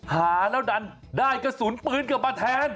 หาแล้วดันได้กระสุนปืนกลับมาแทน